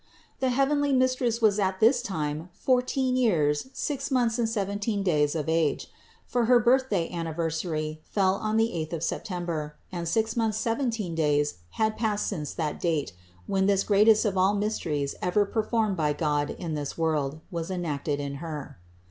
The heavenly Mistress was at this time fourteen years, six months and seventeen days of age; for her birthday anniversary fell on the eighth of September and six months seventeen days had passed since that date, when this greatest of all mysteries ever performed by God in this world, was enacted in Her.